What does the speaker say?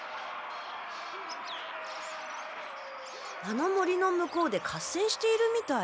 あの森の向こうで合戦しているみたい。